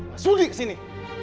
gak sudi kesini